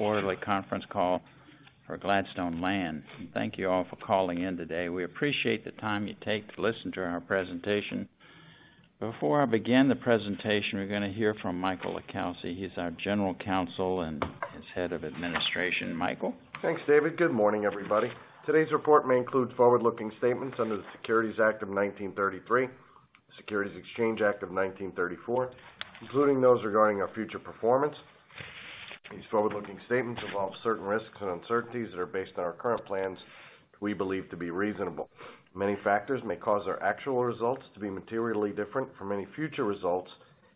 Quarterly conference call for Gladstone Land. Thank you all for calling in today. We appreciate the time you take to listen to our presentation. Before I begin the presentation, we're going to hear from Michael LiCalsi, he's our General Counsel and is Head of Administration. Michael? Thanks, David. Good morning, everybody. Today's report may include forward-looking statements under the Securities Act of 1933, Securities Exchange Act of 1934, including those regarding our future performance. These forward-looking statements involve certain risks and uncertainties that are based on our current plans, we believe to be reasonable. Many factors may cause our actual results to be materially different from any future results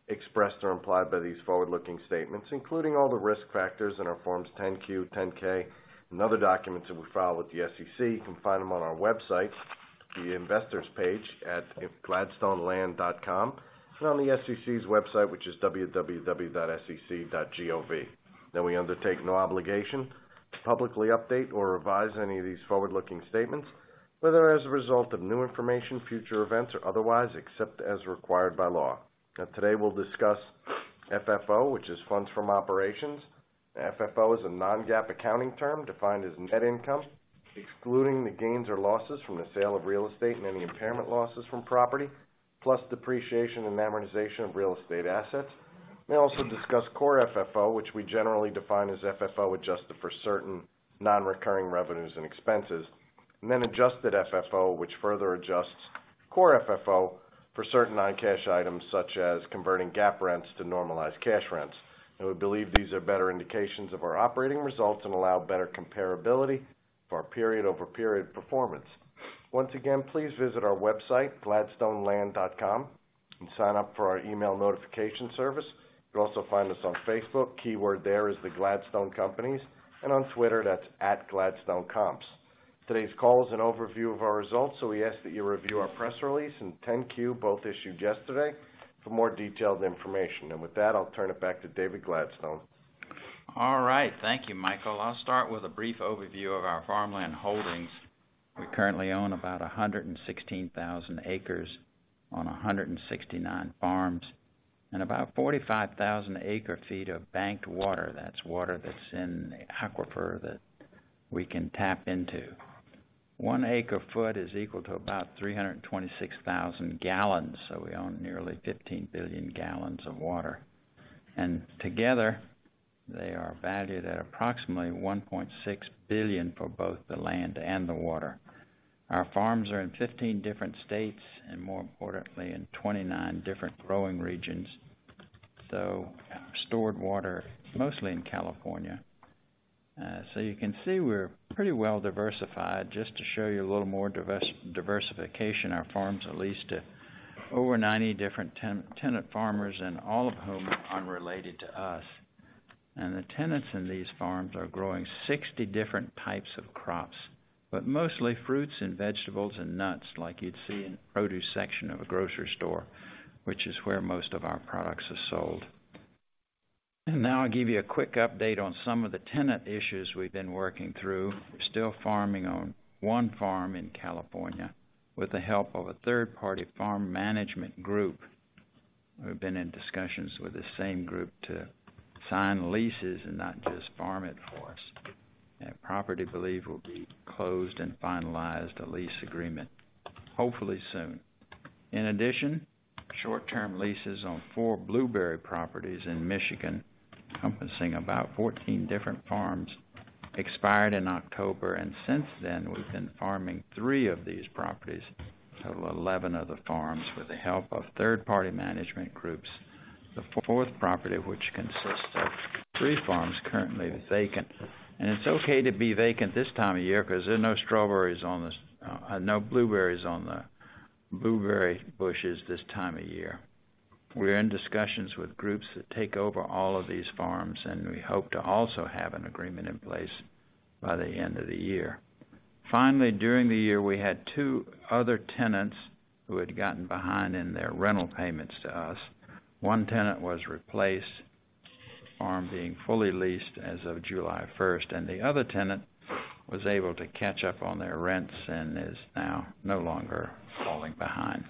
expressed or implied by these forward-looking statements, including all the risk factors in our Forms 10-Q, 10-K, and other documents that we file with the SEC. You can find them on our website, the Investors page at gladstoneland.com, and on the SEC's website, which is www.sec.gov. Now, we undertake no obligation to publicly update or revise any of these forward-looking statements, whether as a result of new information, future events, or otherwise, except as required by law. Now, today, we'll discuss FFO, which is funds from operations. FFO is a non-GAAP accounting term defined as net income, excluding the gains or losses from the sale of real estate and any impairment losses from property, plus depreciation and amortization of real estate assets. We also discuss Core FFO, which we generally define as FFO, adjusted for certain non-recurring revenues and expenses, and then Adjusted FFO, which further adjusts Core FFO for certain non-cash items, such as converting GAAP rents to normalized cash rents. We believe these are better indications of our operating results and allow better comparability for our period-over-period performance. Once again, please visit our website, gladstoneland.com, and sign up for our email notification service. You'll also find us on Facebook. Keyword there is the Gladstone Companies, and on Twitter, that's @GladstoneComps. Today's call is an overview of our results, so we ask that you review our press release and 10-Q, both issued yesterday, for more detailed information. With that, I'll turn it back to David Gladstone. All right, thank you, Michael. I'll start with a brief overview of our farmland holdings. We currently own about 116,000 acres on 169 farms, and about 45,000 acre feet of banked water. That's water that's in the aquifer that we can tap into. One acre foot is equal to about 326,000 gallons, so we own nearly 15 billion gallons of water, and together, they are valued at approximately $1.6 billion for both the land and the water. Our farms are in 15 different states, and more importantly, in 29 different growing regions, so stored water, mostly in California. So you can see we're pretty well diversified. Just to show you a little more diversification, our farms are leased to over 90 different tenant farmers, and all of whom are unrelated to us. The tenants in these farms are growing 60 different types of crops, but mostly fruits and vegetables and nuts, like you'd see in the produce section of a grocery store, which is where most of our products are sold. Now I'll give you a quick update on some of the tenant issues we've been working through. We're still farming on one farm in California, with the help of a third-party farm management group. We've been in discussions with the same group to sign leases and not just farm it for us. That property, I believe, will be closed and finalized, the lease agreement, hopefully soon. In addition, short-term leases on four blueberry properties in Michigan, encompassing about 14 different farms, expired in October, and since then, we've been farming three of these properties, so 11 of the farms, with the help of third-party management groups. The fourth property, which consists of three farms, currently vacant. It's okay to be vacant this time of year because there are no strawberries on the, no blueberries on the blueberry bushes this time of year. We're in discussions with groups to take over all of these farms, and we hope to also have an agreement in place by the end of the year. Finally, during the year, we had two other tenants who had gotten behind in their rental payments to us. One tenant was replaced, the farm being fully leased as of July 1st, and the other tenant was able to catch up on their rents and is now no longer falling behind.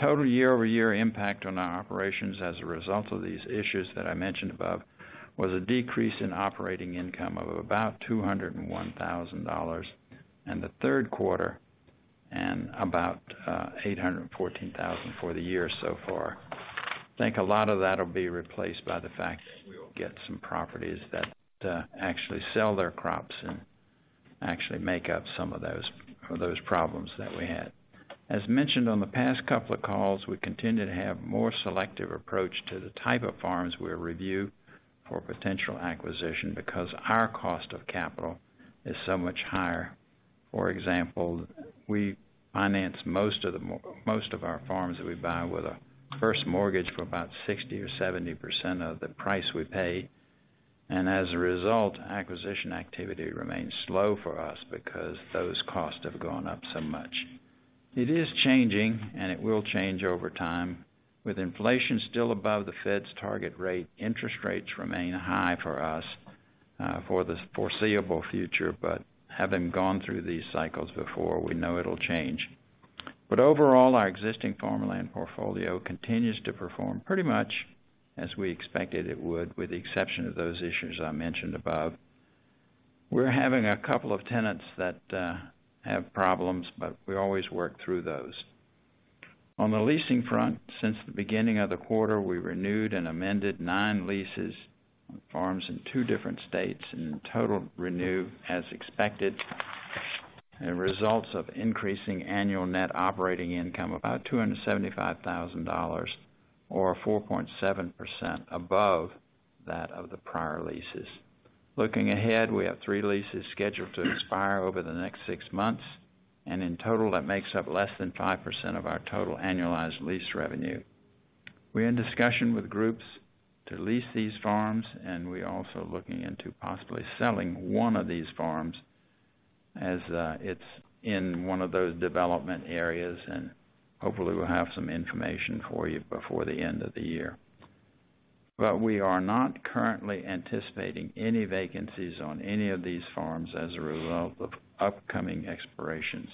Total year-over-year impact on our operations as a result of these issues that I mentioned above, was a decrease in operating income of about $201,000 in the third quarter and about $814,000 for the year so far. I think a lot of that will be replaced by the fact that we'll get some properties that actually sell their crops and actually make up some of those, those problems that we had. As mentioned on the past couple of calls, we continue to have a more selective approach to the type of farms we review for potential acquisition, because our cost of capital is so much higher. For example, we finance most of our farms that we buy with a first mortgage for about 60%-70% of the price we pay. As a result, acquisition activity remains slow for us because those costs have gone up so much. It is changing, and it will change over time. With inflation still above the Fed's target rate, interest rates remain high for us, for the foreseeable future, but having gone through these cycles before, we know it'll change. But overall, our existing farmland portfolio continues to perform pretty much as we expected it would, with the exception of those issues I mentioned above. We're having a couple of tenants that, have problems, but we always work through those. On the leasing front, since the beginning of the quarter, we renewed and amended 9 leases on farms in two different states, and in total, renewed as expected, and results of increasing annual net operating income, about $275,000 or 4.7% above that of the prior leases. Looking ahead, we have 3 leases scheduled to expire over the next six months, and in total, that makes up less than 5% of our total annualized lease revenue. We're in discussion with groups to lease these farms, and we're also looking into possibly selling one of these farms as, it's in one of those development areas, and hopefully, we'll have some information for you before the end of the year. But we are not currently anticipating any vacancies on any of these farms as a result of upcoming expirations.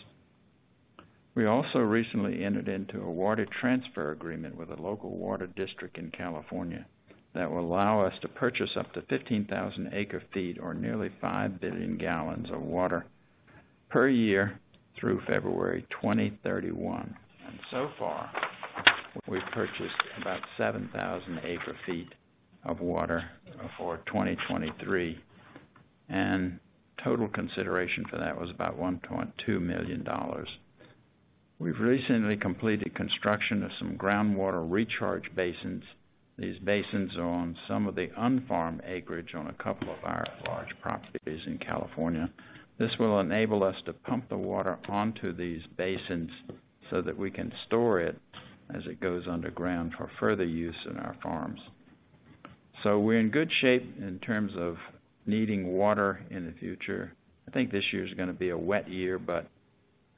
We also recently entered into a water transfer agreement with a local water district in California that will allow us to purchase up to 15,000 acre feet, or nearly 5 billion gallons of water per year through February 2031. And so far, we've purchased about 7,000 acre feet of water for 2023, and total consideration for that was about $1.2 million. We've recently completed construction of some groundwater recharge basins. These basins are on some of the unfarmed acreage on a couple of our large properties in California. This will enable us to pump the water onto these basins so that we can store it as it goes underground for further use in our farms. So we're in good shape in terms of needing water in the future. I think this year is gonna be a wet year, but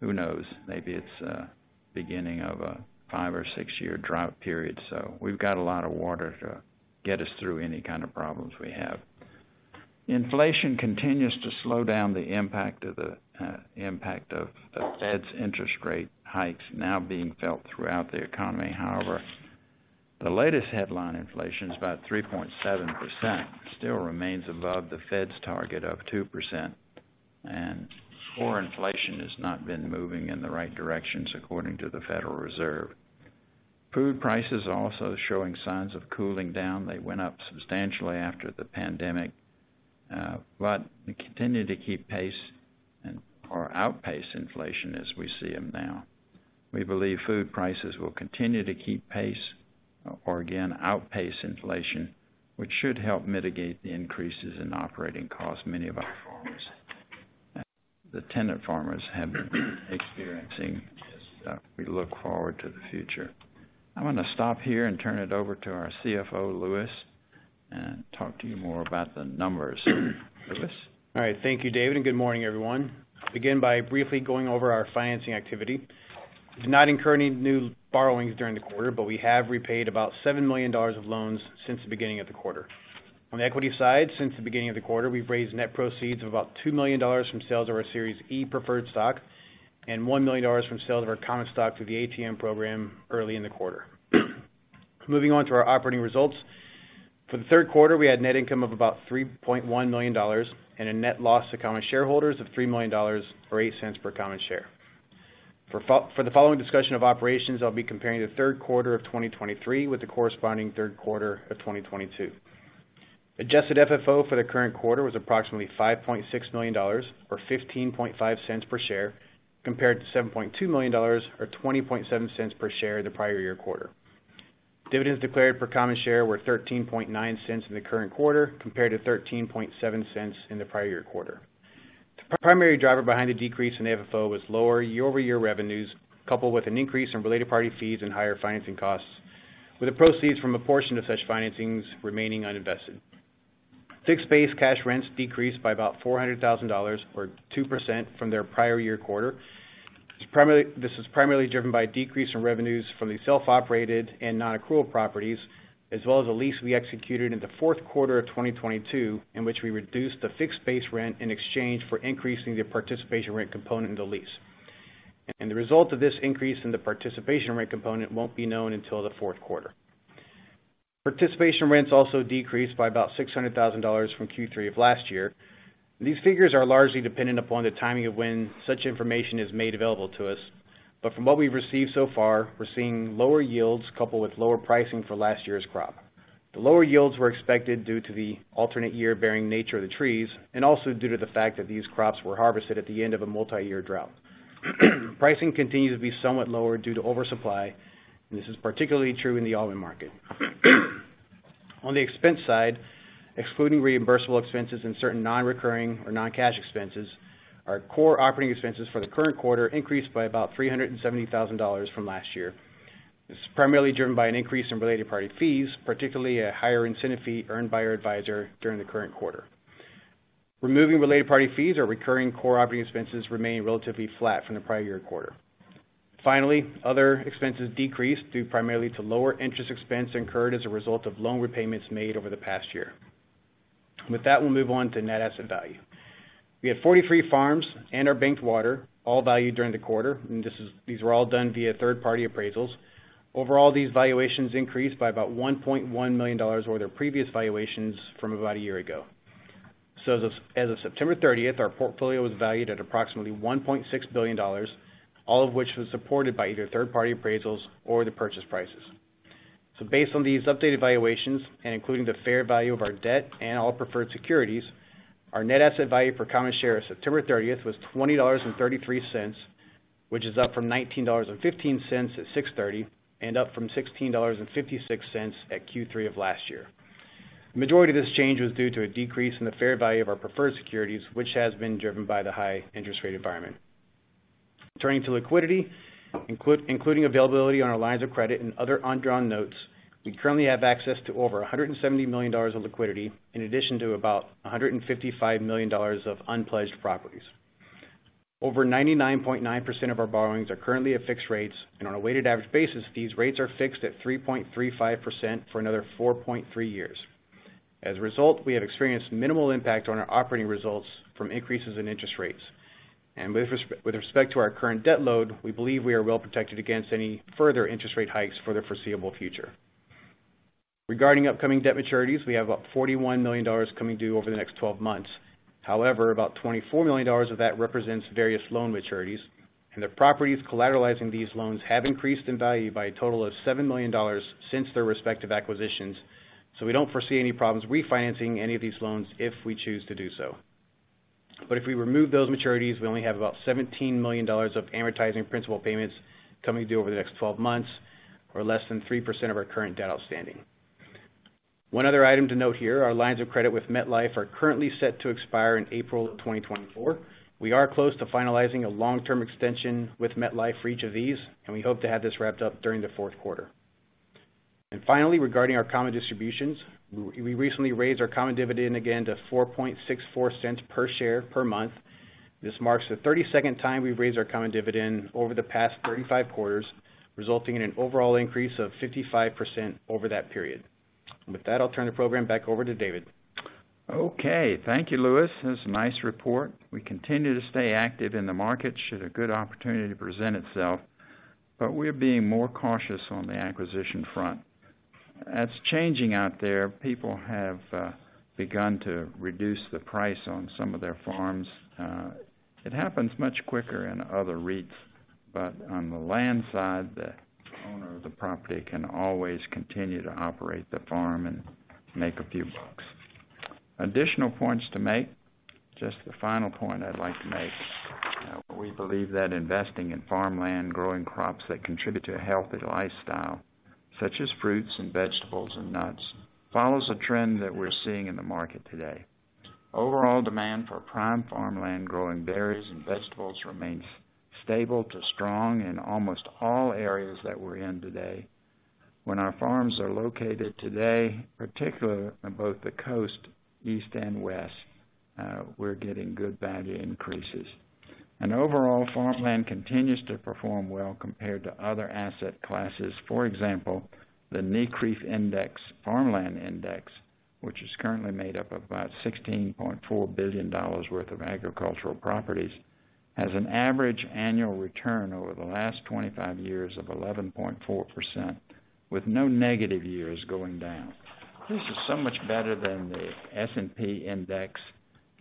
who knows? Maybe it's beginning of a 5- or 6-year drought period, so we've got a lot of water to get us through any kind of problems we have. Inflation continues to slow down the impact of the impact of Fed's interest rate hikes now being felt throughout the economy. However, the latest headline inflation is about 3.7%, still remains above the Fed's target of 2%, and core inflation has not been moving in the right directions according to the Federal Reserve. Food prices are also showing signs of cooling down. They went up substantially after the pandemic, but we continue to keep pace or outpace inflation as we see them now. We believe food prices will continue to keep pace or again, outpace inflation, which should help mitigate the increases in operating costs many of our farmers, the tenant farmers, have been experiencing. We look forward to the future. I'm gonna stop here and turn it over to our CFO, Lewis, and talk to you more about the numbers. Lewis? All right. Thank you, David, and good morning, everyone. Begin by briefly going over our financing activity. Did not incur any new borrowings during the quarter, but we have repaid about $7 million of loans since the beginning of the quarter. On the equity side, since the beginning of the quarter, we've raised net proceeds of about $2 million from sales of our Series E preferred stock and $1 million from sales of our common stock through the ATM program early in the quarter. Moving on to our operating results. For the third quarter, we had net income of about $3.1 million and a net loss to common shareholders of $3 million, or $0.08 per common share. For the following discussion of operations, I'll be comparing the third quarter of 2023 with the corresponding third quarter of 2022. Adjusted FFO for the current quarter was approximately $5.6 million, or $0.155 per share, compared to $7.2 million, or $0.207 per share the prior year quarter. Dividends declared per common share were $0.139 in the current quarter, compared to $0.137 in the prior year quarter. The primary driver behind the decrease in FFO was lower year-over-year revenues, coupled with an increase in related party fees and higher financing costs, with the proceeds from a portion of such financings remaining uninvested. Fixed base cash rents decreased by about $400,000 or 2% from their prior year quarter. This is primarily driven by a decrease in revenues from the self-operated and non-accrual properties, as well as a lease we executed in the fourth quarter of 2022, in which we reduced the fixed base rent in exchange for increasing the participation rent component in the lease. The result of this increase in the participation rent component won't be known until the fourth quarter. Participation rents also decreased by about $600,000 from Q3 of last year. These figures are largely dependent upon the timing of when such information is made available to us, but from what we've received so far, we're seeing lower yields coupled with lower pricing for last year's crop. The lower yields were expected due to the alternate year-bearing nature of the trees, and also due to the fact that these crops were harvested at the end of a multi-year drought. Pricing continues to be somewhat lower due to oversupply, and this is particularly true in the almond market. On the expense side, excluding reimbursable expenses and certain non-recurring or non-cash expenses, our core operating expenses for the current quarter increased by about $370,000 from last year. This is primarily driven by an increase in related party fees, particularly a higher incentive fee earned by our advisor during the current quarter. Removing related party fees or recurring core operating expenses remained relatively flat from the prior year quarter. Finally, other expenses decreased due primarily to lower interest expense incurred as a result of loan repayments made over the past year. With that, we'll move on to net asset value. We have 43 farms and our banked water, all valued during the quarter, and this is, these were all done via third-party appraisals. Overall, these valuations increased by about $1.1 million over their previous valuations from about a year ago. So as of, as of September 30, our portfolio was valued at approximately $1.6 billion, all of which was supported by either third-party appraisals or the purchase prices. So based on these updated valuations, and including the fair value of our debt and all preferred securities, our net asset value per common share as of September 30 was $20.33, which is up from $19.15 at June 30, and up from $16.56 at Q3 of last year. The majority of this change was due to a decrease in the fair value of our preferred securities, which has been driven by the high interest rate environment. Turning to liquidity, including availability on our lines of credit and other undrawn notes, we currently have access to over $170 million of liquidity, in addition to about $155 million of unpledged properties. Over 99.9% of our borrowings are currently at fixed rates, and on a weighted average basis, these rates are fixed at 3.35% for another 4.3 years. As a result, we have experienced minimal impact on our operating results from increases in interest rates. With respect to our current debt load, we believe we are well protected against any further interest rate hikes for the foreseeable future. Regarding upcoming debt maturities, we have about $41 million coming due over the next 12 months. However, about $24 million of that represents various loan maturities, and the properties collateralizing these loans have increased in value by a total of $7 million since their respective acquisitions, so we don't foresee any problems refinancing any of these loans if we choose to do so. But if we remove those maturities, we only have about $17 million of amortizing principal payments coming due over the next 12 months, or less than 3% of our current debt outstanding. One other item to note here, our lines of credit with MetLife are currently set to expire in April of 2024. We are close to finalizing a long-term extension with MetLife for each of these, and we hope to have this wrapped up during the fourth quarter. And finally, regarding our common distributions, we recently raised our common dividend again to $0.0464 per share per month. This marks the 32nd time we've raised our common dividend over the past 35 quarters, resulting in an overall increase of 55% over that period. With that, I'll turn the program back over to David. Okay, thank you, Lewis. That's a nice report. We continue to stay active in the market, should a good opportunity to present itself, but we're being more cautious on the acquisition front. That's changing out there. People have begun to reduce the price on some of their farms. It happens much quicker in other REITs, but on the land side, the owner of the property can always continue to operate the farm and make a few bucks. Additional points to make, just the final point I'd like to make, we believe that investing in farmland, growing crops that contribute to a healthy lifestyle, such as fruits and vegetables and nuts, follows a trend that we're seeing in the market today. Overall demand for prime farmland, growing berries and vegetables remains stable to strong in almost all areas that we're in today. When our farms are located today, particularly in both the coast, east and west, we're getting good value increases. Overall, farmland continues to perform well compared to other asset classes. For example, the NCREIF Farmland Index, which is currently made up of about $16.4 billion worth of agricultural properties, has an average annual return over the last 25 years of 11.4%, with no negative years going down. This is so much better than the S&P Index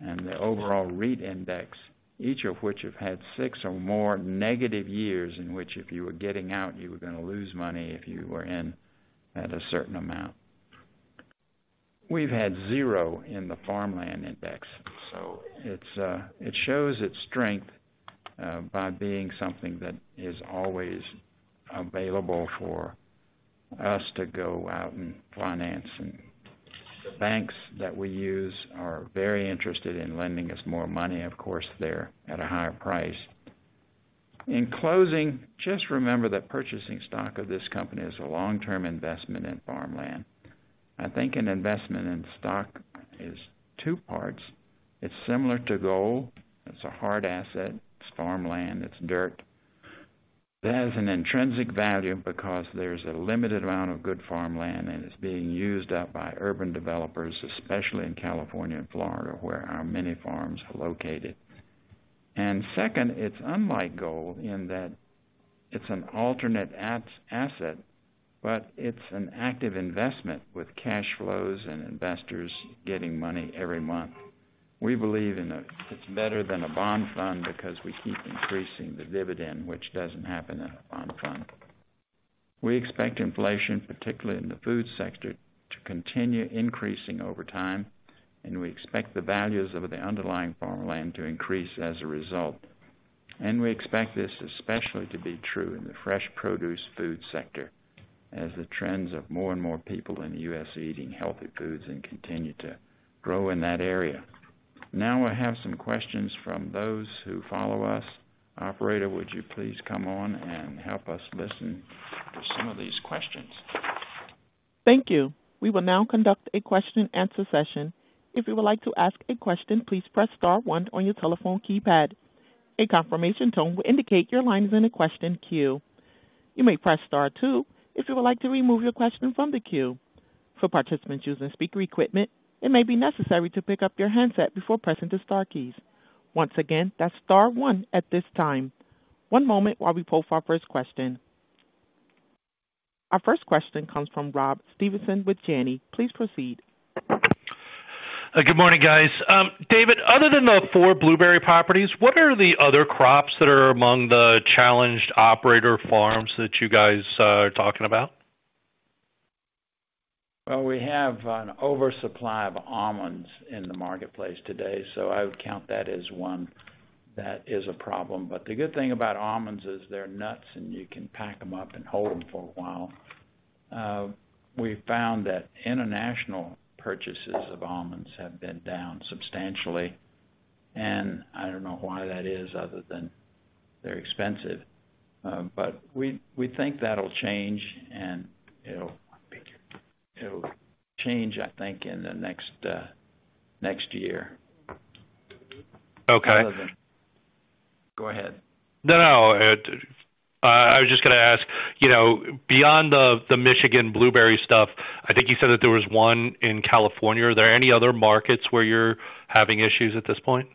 and the overall REIT index, each of which have had six or more negative years, in which if you were getting out, you were gonna lose money if you were in at a certain amount. We've had zero in the farmland index, so it's, it shows its strength, by being something that is always available for us to go out and finance. And the banks that we use are very interested in lending us more money. Of course, they're at a higher price. In closing, just remember that purchasing stock of this company is a long-term investment in farmland. I think an investment in stock is two parts. It's similar to gold. It's a hard asset. It's farmland. It's dirt. That has an intrinsic value because there's a limited amount of good farmland, and it's being used up by urban developers, especially in California and Florida, where our many farms are located. And second, it's unlike gold in that it's an alternate asset, but it's an active investment with cash flows and investors getting money every month. We believe in that it's better than a bond fund because we keep increasing the dividend, which doesn't happen in a bond fund. We expect inflation, particularly in the food sector, to continue increasing over time, and we expect the values of the underlying farmland to increase as a result. We expect this especially to be true in the fresh produce food sector, as the trends of more and more people in the U.S. are eating healthy foods and continue to grow in that area. Now, I have some questions from those who follow us. Operator, would you please come on and help us listen to some of these questions? Thank you. We will now conduct a question and answer session. If you would like to ask a question, please press star one on your telephone keypad. A confirmation tone will indicate your line is in a question queue. You may press star two, if you would like to remove your question from the queue. For participants using speaker equipment, it may be necessary to pick up your handset before pressing the star keys. Once again, that's star one at this time. One moment while we poll for our first question. Our first question comes from Rob Stevenson with Janney. Please proceed. Good morning, guys. David, other than the four blueberry properties, what are the other crops that are among the challenged operator farms that you guys are talking about? Well, we have an oversupply of almonds in the marketplace today, so I would count that as one that is a problem. But the good thing about almonds is they're nuts, and you can pack them up and hold them for a while. We found that international purchases of almonds have been down substantially, and I don't know why that is other than they're expensive. But we think that'll change, and it'll change, I think, in the next year. Okay. Go ahead. No, no. I was just gonna ask, you know, beyond the Michigan blueberry stuff, I think you said that there was one in California. Are there any other markets where you're having issues at this point?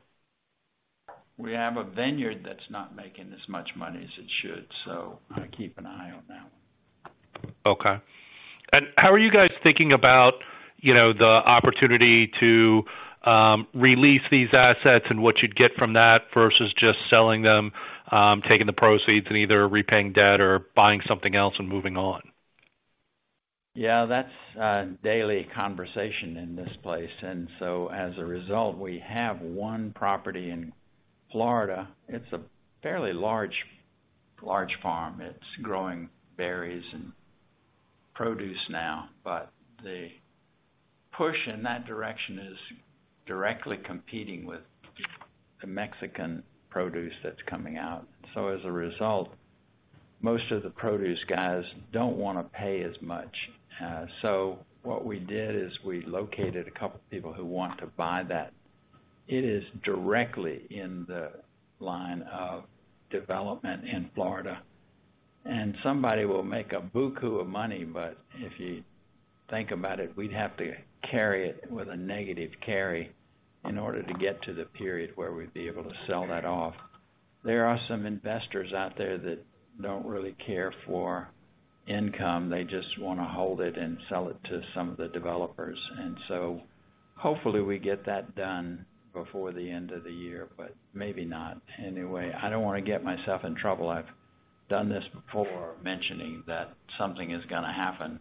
We have a vineyard that's not making as much money as it should, so I keep an eye on that one. Okay. How are you guys thinking about, you know, the opportunity to release these assets and what you'd get from that, versus just selling them, taking the proceeds and either repaying debt or buying something else and moving on? Yeah, that's a daily conversation in this place. So as a result, we have one property in Florida. It's a fairly large, large farm. It's growing berries and produce now, but the push in that direction is directly competing with the Mexican produce that's coming out. So as a result, most of the produce guys don't wanna pay as much. So what we did is we located a couple of people who want to buy that. It is directly in the line of development in Florida, and somebody will make a buku of money, but if you think about it, we'd have to carry it with a negative carry in order to get to the period where we'd be able to sell that off. There are some investors out there that don't really care for income. They just wanna hold it and sell it to some of the developers. And so hopefully we get that done before the end of the year, but maybe not. Anyway, I don't wanna get myself in trouble. I've done this before, mentioning that something is gonna happen,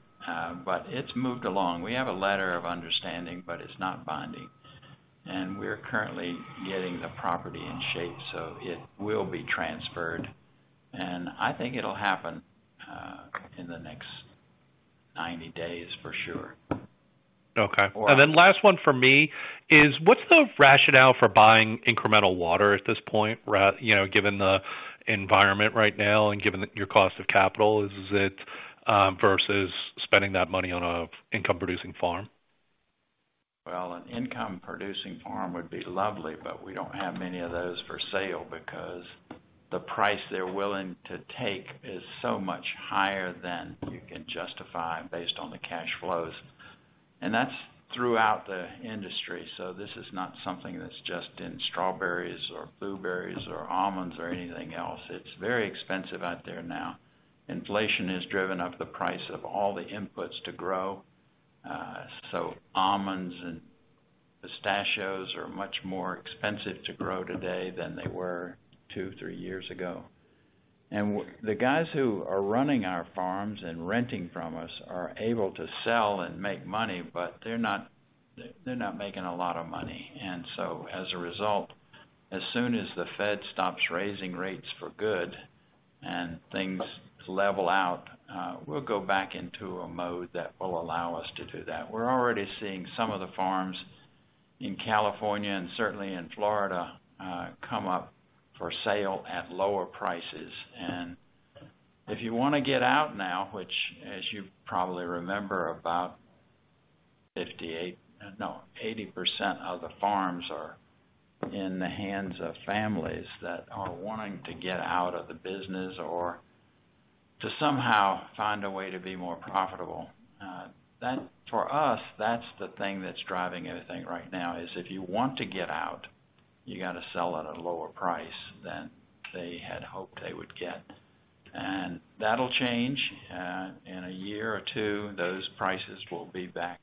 but it's moved along. We have a letter of understanding, but it's not binding, and we're currently getting the property in shape, so it will be transferred. And I think it'll happen in the next 90 days, for sure. Okay. Then last one for me is, what's the rationale for buying incremental water at this point, you know, given the environment right now and given that your cost of capital is it versus spending that money on a income-producing farm? Well, an income-producing farm would be lovely, but we don't have many of those for sale because the price they're willing to take is so much higher than you can justify based on the cash flows. And that's throughout the industry. So this is not something that's just in strawberries or blueberries or almonds or anything else. It's very expensive out there now. Inflation has driven up the price of all the inputs to grow, so almonds and pistachios are much more expensive to grow today than they were two, three years ago. And the guys who are running our farms and renting from us are able to sell and make money, but they're not, they're not making a lot of money. And so as a result, as soon as the Fed stops raising rates for good and things level out, we'll go back into a mode that will allow us to do that. We're already seeing some of the farms in California and certainly in Florida come up for sale at lower prices. And if you wanna get out now, which, as you probably remember, about 58, no, 80% of the farms are in the hands of families that are wanting to get out of the business or to somehow find a way to be more profitable. That for us, that's the thing that's driving everything right now, is if you want to get out, you gotta sell at a lower price than they had hoped they would get. That'll change in a year or two, those prices will be back,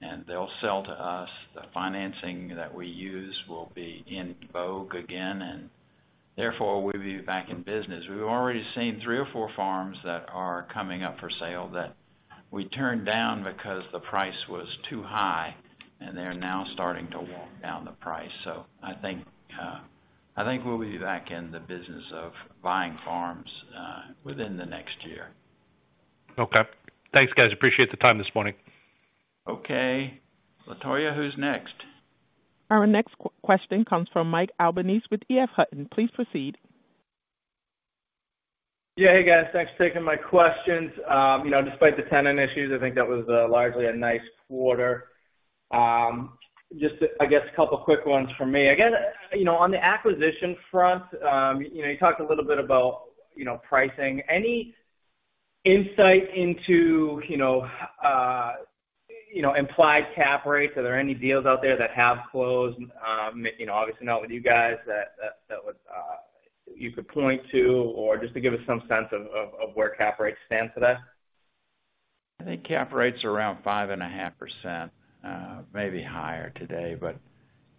and they'll sell to us. The financing that we use will be in vogue again, and therefore, we'll be back in business. We've already seen three or four farms that are coming up for sale that we turned down because the price was too high, and they're now starting to walk down the price. So I think, I think we'll be back in the business of buying farms within the next year. Okay. Thanks, guys. Appreciate the time this morning. Okay. Latoya, who's next? Our next question comes from Mike Albanese with EF Hutton. Please proceed. Yeah. Hey, guys. Thanks for taking my questions. You know, despite the tenant issues, I think that was largely a nice quarter. Just, I guess, a couple quick ones from me. Again, you know, on the acquisition front, you know, you talked a little bit about, you know, pricing. Any insight into, you know, you know, implied cap rates? Are there any deals out there that have closed, you know, obviously not with you guys, that you could point to, or just to give us some sense of where cap rates stand today? I think cap rates are around 5.5%, maybe higher today, but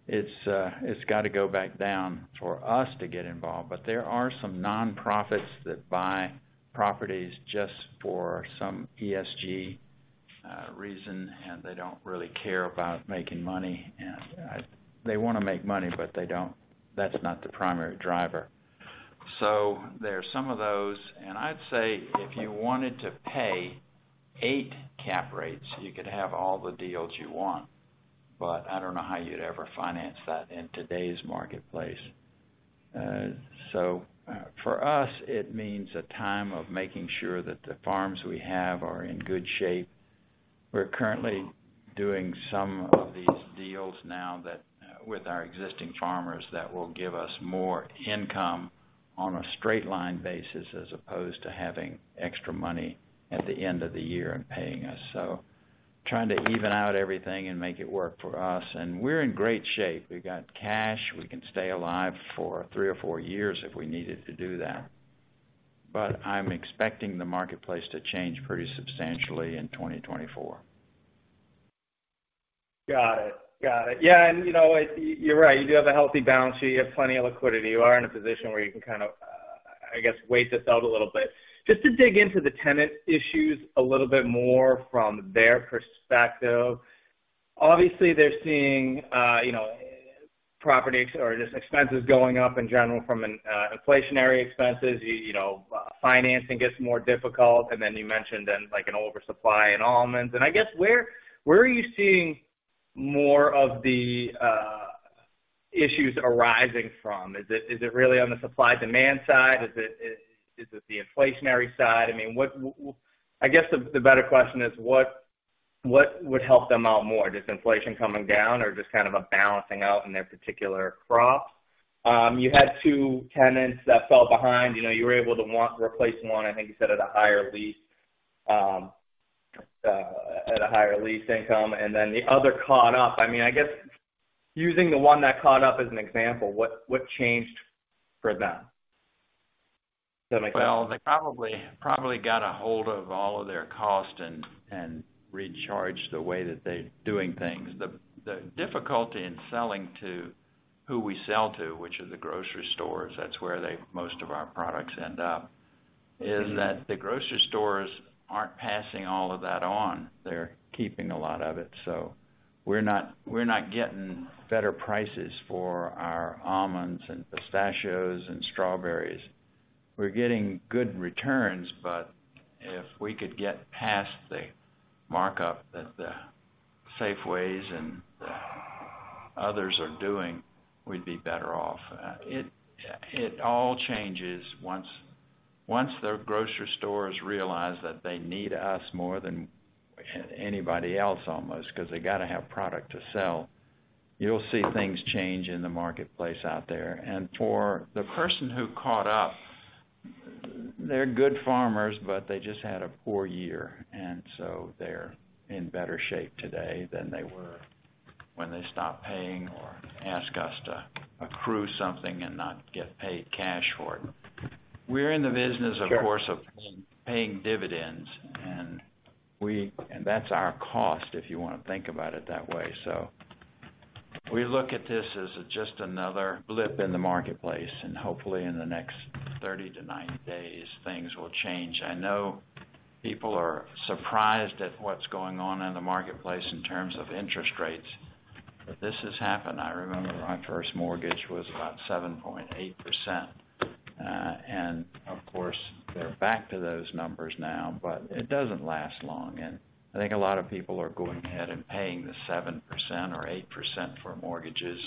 it's got to go back down for us to get involved. But there are some nonprofits that buy properties just for some ESG reason, and they don't really care about making money, and. They wanna make money, but they don't. That's not the primary driver. So there are some of those, and I'd say if you wanted to pay 8 cap rates, you could have all the deals you want, but I don't know how you'd ever finance that in today's marketplace. So, for us, it means a time of making sure that the farms we have are in good shape. We're currently doing some of these deals now that, with our existing farmers, that will give us more income on a straight line basis, as opposed to having extra money at the end of the year and paying us. So trying to even out everything and make it work for us. And we're in great shape. We've got cash. We can stay alive for three or four years if we needed to do that. But I'm expecting the marketplace to change pretty substantially in 2024. Got it. Got it. Yeah, and, you know, you're right, you do have a healthy balance sheet, you have plenty of liquidity. You are in a position where you can kind of, I guess, wait this out a little bit. Just to dig into the tenant issues a little bit more from their perspective. Obviously, they're seeing, you know, properties or just expenses going up in general from an, inflationary expenses. You, you know, financing gets more difficult, and then you mentioned then, like, an oversupply in almonds. And I guess, where, where are you seeing more of the, issues arising from? Is it, is it really on the supply-demand side? Is it, is, is it the inflationary side? I mean, what I guess the, the better question is, what, what would help them out more? Just inflation coming down or just kind of a balancing out in their particular crop? You had two tenants that fell behind. You know, you were able to replace one, I think you said, at a higher lease, at a higher lease income, and then the other caught up. I mean, I guess using the one that caught up as an example, what, what changed for them? Does that make sense? Well, they probably got a hold of all of their costs and recharged the way that they're doing things. The difficulty in selling to who we sell to, which is the grocery stores, that's where most of our products end up, is that the grocery stores aren't passing all of that on. They're keeping a lot of it. So we're not getting better prices for our almonds and pistachios and strawberries. We're getting good returns, but if we could get past the markup that the Safeways and the others are doing, we'd be better off. It all changes once the grocery stores realize that they need us more than anybody else, almost, 'cause they got to have product to sell, you'll see things change in the marketplace out there. For the person who caught up, they're good farmers, but they just had a poor year, and so they're in better shape today than they were when they stopped paying or asked us to accrue something and not get paid cash for it. We're in the business, of course, of paying dividends, and that's our cost, if you want to think about it that way. So we look at this as just another blip in the marketplace, and hopefully, in the next 30-90 days, things will change. I know people are surprised at what's going on in the marketplace in terms of interest rates, but this has happened. I remember my first mortgage was about 7.8%. And of course, they're back to those numbers now, but it doesn't last long, and I think a lot of people are going ahead and paying the 7% or 8% for mortgages.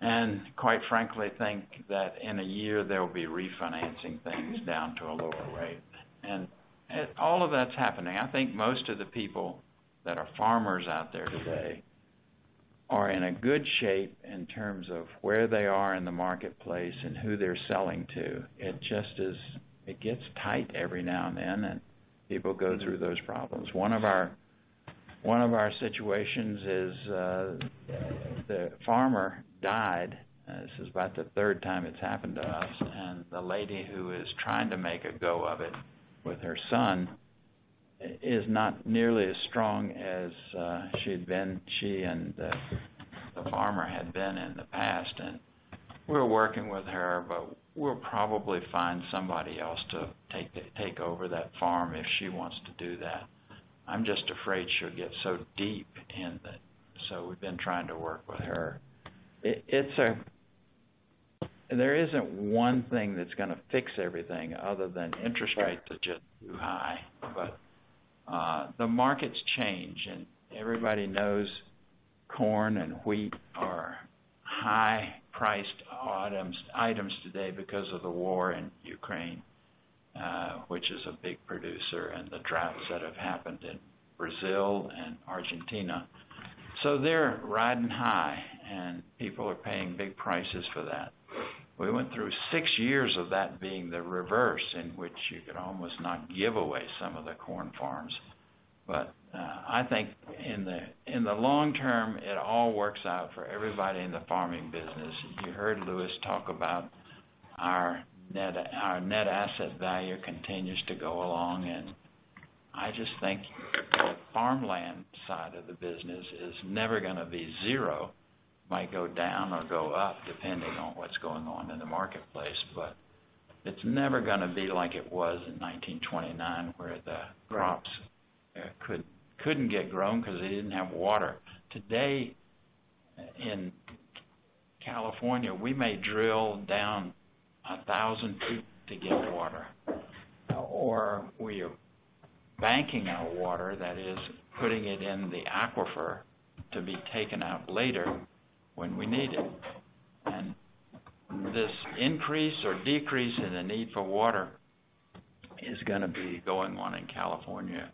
And quite frankly, think that in a year, they'll be refinancing things down to a lower rate. And, all of that's happening. I think most of the people that are farmers out there today are in a good shape in terms of where they are in the marketplace and who they're selling to. It just is. It gets tight every now and then, and people go through those problems. One of our, one of our situations is, the farmer died. This is about the third time it's happened to us, and the lady who is trying to make a go of it with her son is not nearly as strong as she'd been, she and the farmer had been in the past. And we're working with her, but we'll probably find somebody else to take over that farm if she wants to do that. I'm just afraid she'll get so deep in it, so we've been trying to work with her. It's a there isn't one thing that's gonna fix everything other than interest rates are just too high. But the markets change, and everybody knows corn and wheat are high-priced items today because of the war in Ukraine, which is a big producer, and the droughts that have happened in Brazil and Argentina. So they're riding high, and people are paying big prices for that. We went through six years of that being the reverse, in which you could almost not give away some of the corn farms. But I think in the long term, it all works out for everybody in the farming business. You heard Lewis talk about our net asset value continues to go along, and I just think the farmland side of the business is never gonna be zero. Might go down or go up, depending on what's going on in the marketplace, but it's never gonna be like it was in 1929, where the crops couldn't get grown because they didn't have water. Today, in California, we may drill down 1,000 feet to get water, or we are banking our water, that is, putting it in the aquifer to be taken out later when we need it. And this increase or decrease in the need for water is gonna be going on in California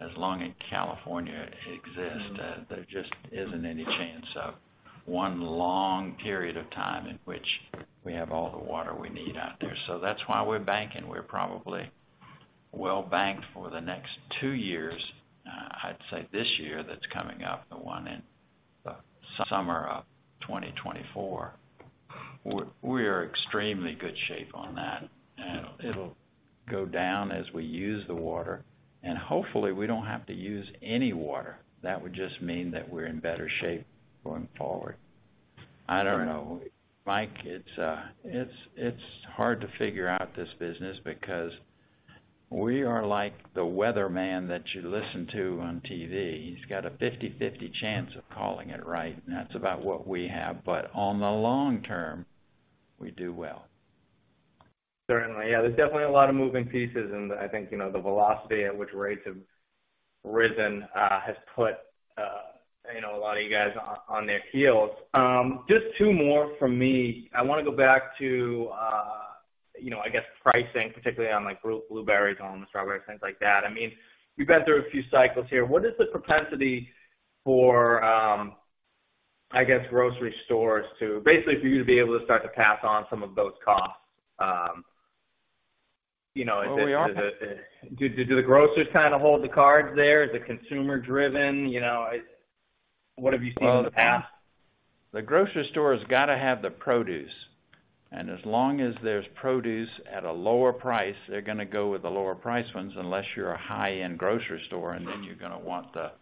as long as California exists. There just isn't any chance of one long period of time in which we have all the water we need out there. So that's why we're banking. We're probably well banked for the next two years. I'd say this year, that's coming up, the one in the summer of 2024. We're, we are in extremely good shape on that, and it'll go down as we use the water, and hopefully we don't have to use any water. That would just mean that we're in better shape going forward. I don't know, Mike, it's hard to figure out this business because we are like the weatherman that you listen to on TV. He's got a 50/50 chance of calling it right, and that's about what we have, but on the long term, we do well. Certainly. Yeah, there's definitely a lot of moving pieces, and I think, you know, the velocity at which rates have risen has put, you know, a lot of you guys on their heels. Just two more from me. I want to go back to, you know, I guess, pricing, particularly on, like, blueberries, almonds, strawberries, things like that. I mean, you've been through a few cycles here. What is the propensity for, I guess, grocery stores to basically, for you to be able to start to pass on some of those costs? You know, is it Well, we are. Do the grocers kind of hold the cards there? Is it consumer driven? You know, I, what have you seen in the past? The grocery store has got to have the produce, and as long as there's produce at a lower price, they're gonna go with the lower price ones, unless you're a high-end grocery store, and then you're gonna want the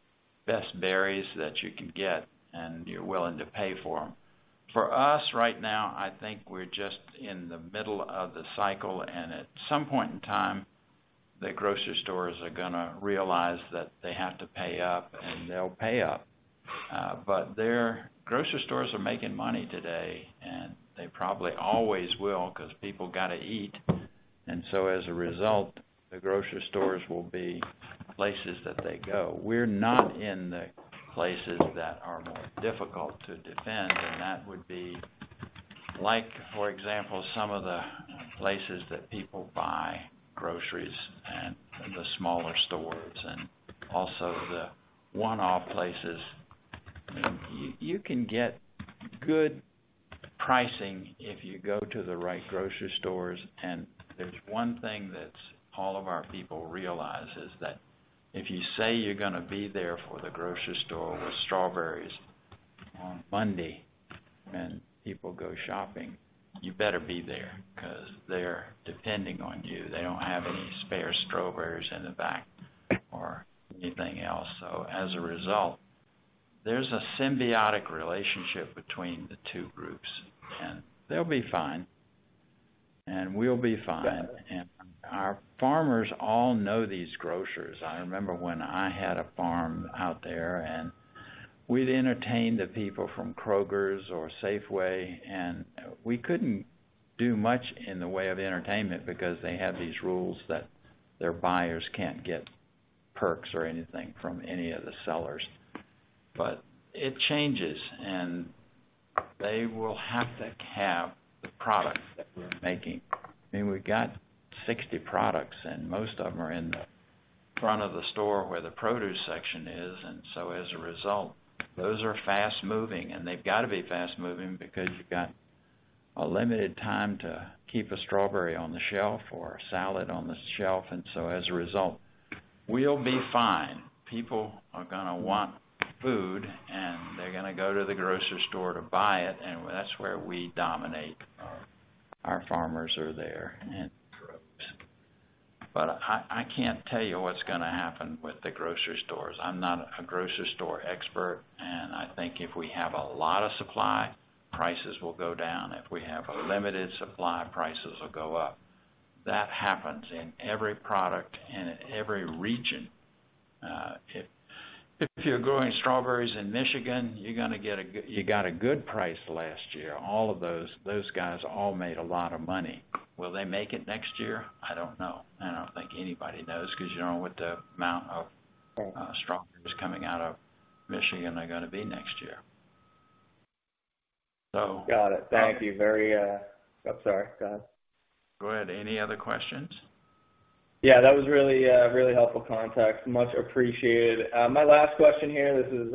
best berries that you can get, and you're willing to pay for them. For us, right now, I think we're just in the middle of the cycle, and at some point in time, the grocery stores are gonna realize that they have to pay up, and they'll pay up. But their grocery stores are making money today, and they probably always will because people got to eat. And so as a result, the grocery stores will be places that they go. We're not in the places that are more difficult to defend, and that would be like, for example, some of the places that people buy groceries at the smaller stores and also the one-off places. You, you can get good pricing if you go to the right grocery stores. There's one thing that's all of our people realize, is that if you say you're gonna be there for the grocery store with strawberries on Monday when people go shopping, you better be there because they're depending on you. They don't have any spare strawberries in the back or anything else. So as a result, there's a symbiotic relationship between the two groups, and they'll be fine, and we'll be fine. Yeah. Our farmers all know these grocers. I remember when I had a farm out there, and we'd entertain the people from Kroger's or Safeway, and we couldn't do much in the way of entertainment because they had these rules that their buyers can't get perks or anything from any of the sellers. But it changes, and they will have to have the products that we're making. I mean, we've got 60 products, and most of them are in the front of the store where the produce section is, and so as a result, those are fast moving, and they've got to be fast moving because you've got a limited time to keep a strawberry on the shelf or a salad on the shelf. And so as a result, we'll be fine. People are gonna want food, and they're gonna go to the grocery store to buy it, and that's where we dominate. Our farmers are there, and. But I can't tell you what's gonna happen with the grocery stores. I'm not a grocery store expert, and I think if we have a lot of supply, prices will go down. If we have a limited supply, prices will go up. That happens in every product and in every region. If you're growing strawberries in Michigan, you got a good price last year. All of those guys all made a lot of money. Will they make it next year? I don't know. I don't think anybody knows because you don't know what the amount of strawberries coming out of Michigan are gonna be next year. Got it. Thank you. I'm sorry, go ahead. Go ahead. Any other questions? Yeah, that was really, really helpful context. Much appreciated. My last question here, this is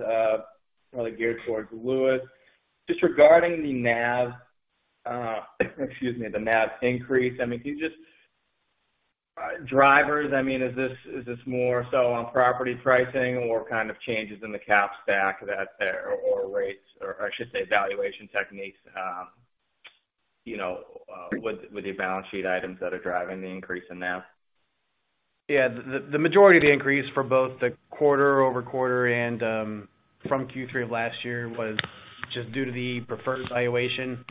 really geared towards Lewis. Just regarding the NAV, excuse me, the NAV increase, I mean, can you just. Drivers, I mean, is this, is this more so on property pricing or kind of changes in the cap stack that's there, or rates, or I should say, valuation techniques, you know, with, with your balance sheet items that are driving the increase in NAV? Yeah, the majority of the increase for both the quarter-over-quarter and from Q3 of last year was just due to the preferred valuation,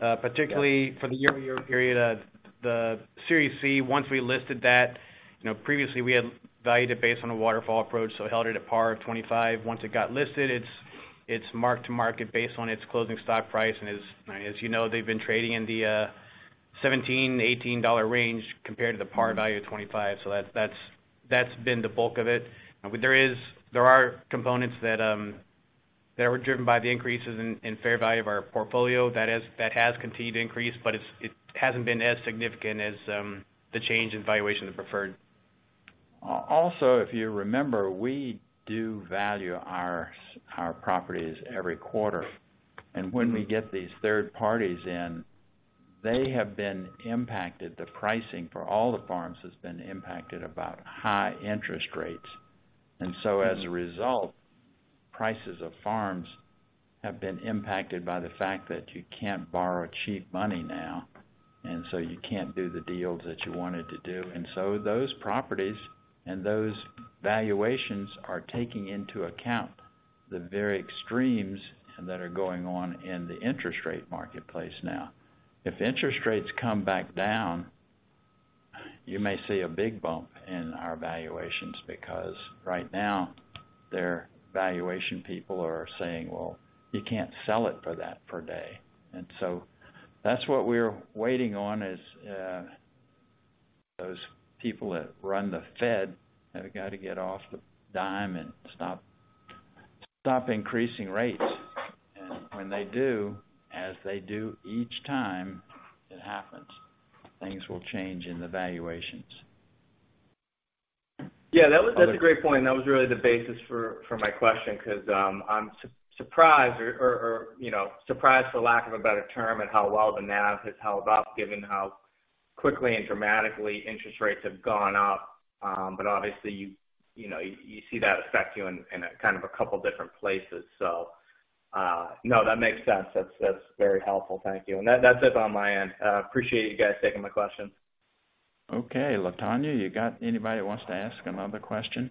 particularly- for the year-over-year period, the Series C, once we listed that, you know, previously, we had valued it based on a waterfall approach, so held it at par of $25. Once it got listed, it's marked to market based on its closing stock price. And as you know, they've been trading in the $17-$18 range compared to the par value of $25. So that's been the bulk of it. But there are components that were driven by the increases in fair value of our portfolio. That has continued to increase, but it hasn't been as significant as the change in valuation of preferred. Also, if you remember, we do value our properties every quarter. When we get these third parties in, they have been impacted. The pricing for all the farms has been impacted about high interest rates. So as a result, prices of farms have been impacted by the fact that you can't borrow cheap money now, and so you can't do the deals that you wanted to do. Those properties and those valuations are taking into account the very extremes that are going on in the interest rate marketplace now. If interest rates come back down, you may see a big bump in our valuations, because right now, their valuation people are saying, "Well, you can't sell it for that per day." And so that's what we're waiting on, is, those people that run the Fed have got to get off the dime and stop, stop increasing rates. And when they do, as they do each time it happens, things will change in the valuations. Yeah, that was Other That's a great point, and that was really the basis for my question, because I'm surprised or, you know, surprised, for lack of a better term, at how well the NAV has held up, given how quickly and dramatically interest rates have gone up. But obviously, you know, you see that affect you in a kind of a couple different places. So, no, that makes sense. That's very helpful. Thank you. And that's it on my end. Appreciate you guys taking my questions. Okay, Latonya, you got anybody who wants to ask another question?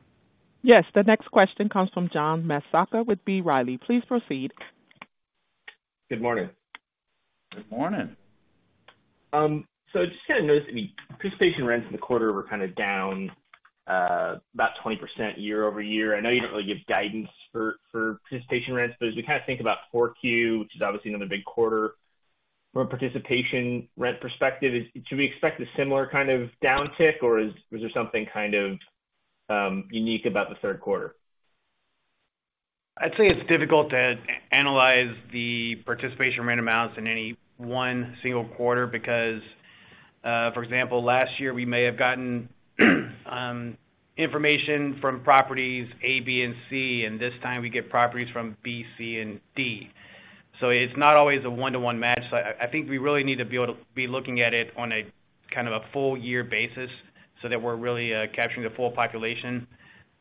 Yes. The next question comes from John Massocca with B. Riley. Please proceed. Good morning. Good morning. So just kind of noticed, I mean, participation rents in the quarter were kind of down about 20% year-over-year. I know you don't really give guidance for participation rents, but as we kind of think about 4Q, which is obviously another big quarter from a participation rent perspective, should we expect a similar kind of downtick, or was there something kind of unique about the third quarter? I'd say it's difficult to analyze the participation rent amounts in any one single quarter because, for example, last year we may have gotten information from properties A, B, and C, and this time we get properties from B, C, and D. So it's not always a one-to-one match. So I think we really need to be able to be looking at it on a kind of a full year basis, so that we're really capturing the full population.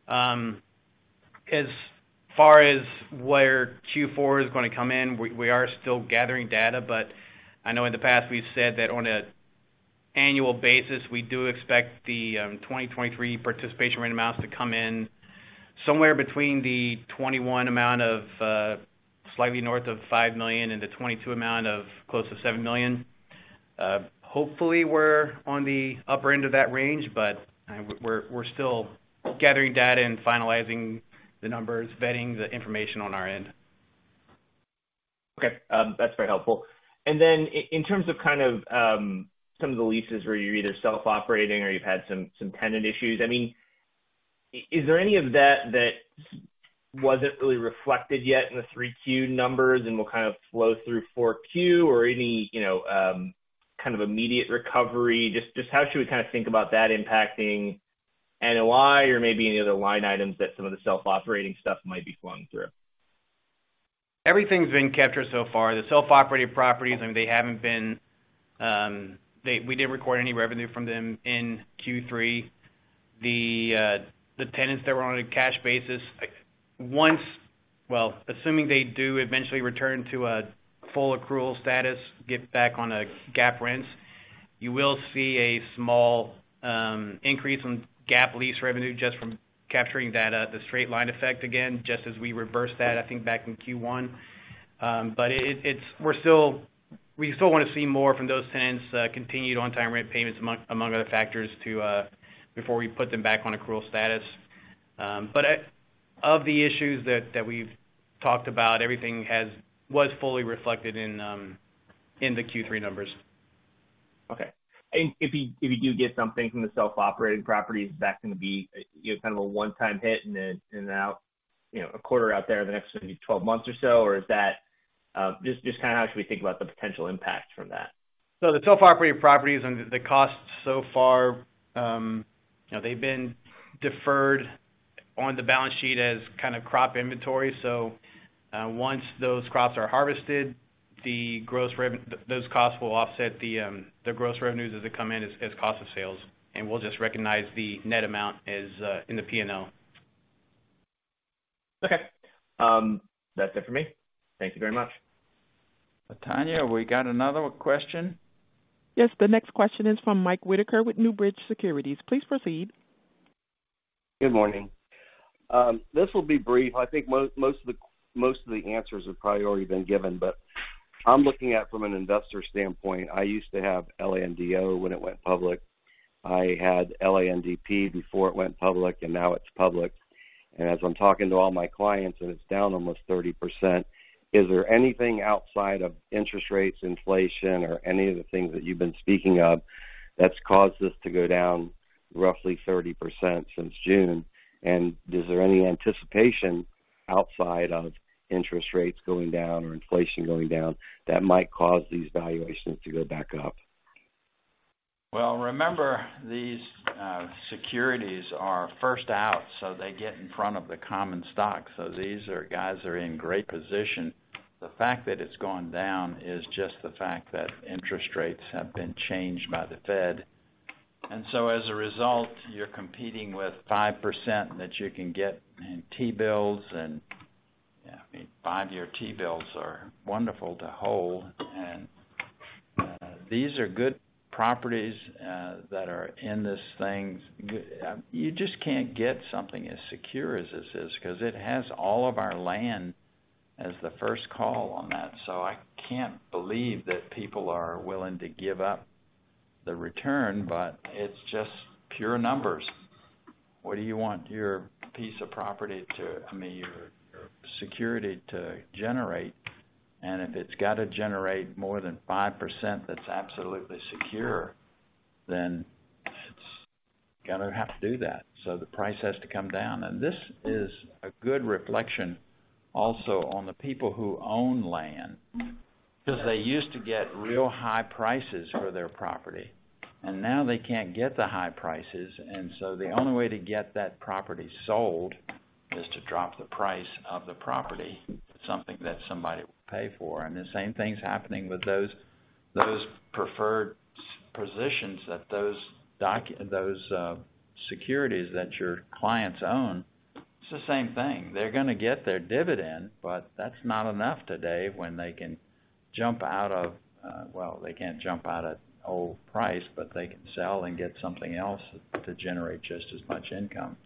As far as where Q4 is gonna come in, we are still gathering data, but I know in the past we've said that on an annual basis, we do expect the 2023 participation rent amounts to come in somewhere between the 2021 amount of slightly north of $5 million and the 2022 amount of close to $7 million. Hopefully, we're on the upper end of that range, but we're still gathering data and finalizing the numbers, vetting the information on our end. Okay, that's very helpful. And then in terms of kind of some of the leases where you're either self-operating or you've had some tenant issues, I mean, is there any of that that wasn't really reflected yet in the 3Q numbers and will kind of flow through 4Q or any, you know, kind of immediate recovery? Just how should we kind of think about that impacting NOI or maybe any other line items that some of the self-operating stuff might be flowing through? Everything's been captured so far. The self-operated properties, I mean, they haven't been. We didn't record any revenue from them in Q3. The tenants that were on a cash basis. Well, assuming they do eventually return to a full accrual status, get back on a GAAP rents, you will see a small increase in GAAP lease revenue just from capturing that, the straight line effect again, just as we reversed that, I think, back in Q1. But we still want to see more from those tenants, continued on-time rent payments, among other factors, before we put them back on accrual status. But of the issues that we've talked about, everything was fully reflected in the Q3 numbers. Okay. And if you do get something from the self-operated properties, is that going to be, you know, kind of a one-time hit and then in and out, you know, a quarter out there, the next maybe 12 months or so? Or is that, just kind of how should we think about the potential impact from that? So the self-operated properties and the costs so far, you know, they've been deferred on the balance sheet as kind of crop inventory. So, once those crops are harvested, the gross rev- those costs will offset the, the gross revenues as they come in, as, as cost of sales, and we'll just recognize the net amount as, in the P&L. Okay. That's it for me. Thank you very much. Tanya, have we got another question? Yes, the next question is from Mike Whitaker with Newbridge Securities. Please proceed. Good morning. This will be brief. I think most of the answers have probably already been given, but I'm looking at from an investor standpoint. I used to have LANDO when it went public. I had LANDP before it went public, and now it's public. And as I'm talking to all my clients, and it's down almost 30%, is there anything outside of interest rates, inflation, or any of the things that you've been speaking of that's caused this to go down roughly 30% since June? And is there any anticipation outside of interest rates going down or inflation going down that might cause these valuations to go back up? Well, remember, these securities are first out, so they get in front of the common stock. So these are guys are in great position. The fact that it's gone down is just the fact that interest rates have been changed by the Fed. And so as a result, you're competing with 5% that you can get in T-bills, and, yeah, I mean, five-year T-bills are wonderful to hold. And these are good properties that are in this thing. You just can't get something as secure as this is because it has all of our land as the first call on that. So I can't believe that people are willing to give up the return, but it's just pure numbers. What do you want your piece of property to I mean, your security to generate? And if it's got to generate more than 5%, that's absolutely secure, then it's gonna have to do that. So the price has to come down. And this is a good reflection also on the people who own land, because they used to get real high prices for their property, and now they can't get the high prices. And so the only way to get that property sold is to drop the price of the property, something that somebody will pay for. And the same thing's happening with those preferred stock positions that those securities that your clients own, it's the same thing. They're gonna get their dividend, but that's not enough today when they can jump out of, well, they can't jump out of old price, but they can sell and get something else to generate just as much income.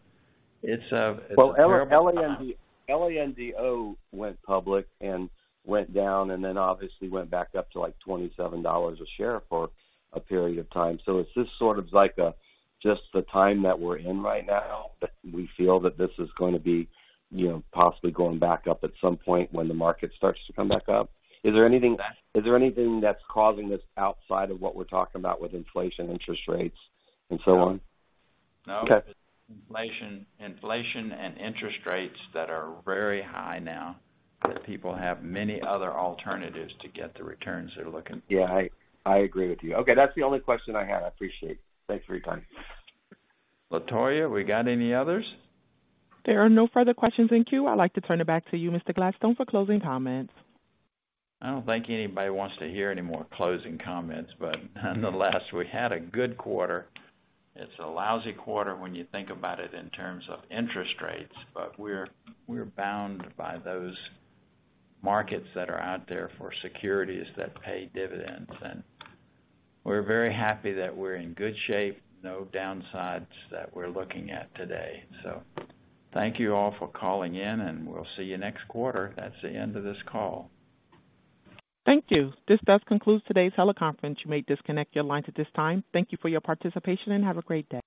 It's a Well, LAND, LANDO went public and went down and then obviously went back up to, like, $27 a share for a period of time. So is this sort of like a, just the time that we're in right now, that we feel that this is going to be, you know, possibly going back up at some point when the market starts to come back up? Is there anything, is there anything that's causing this outside of what we're talking about with inflation, interest rates, and so on? No. Okay. Inflation, inflation, and interest rates that are very high now, that people have many other alternatives to get the returns they're looking. Yeah, I agree with you. Okay, that's the only question I had. I appreciate it. Thanks for your time. Latoya, have we got any others? There are no further questions in queue. I'd like to turn it back to you, Mr. Gladstone, for closing comments. I don't think anybody wants to hear any more closing comments, but nonetheless, we had a good quarter. It's a lousy quarter when you think about it in terms of interest rates, but we're, we're bound by those markets that are out there for securities that pay dividends. We're very happy that we're in good shape. No downsides that we're looking at today. Thank you all for calling in, and we'll see you next quarter. That's the end of this call. Thank you. This does conclude today's teleconference. You may disconnect your lines at this time. Thank you for your participation, and have a great day.